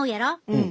うん。